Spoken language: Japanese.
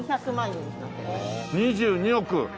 ２２億。